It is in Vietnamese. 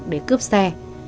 để cướp xe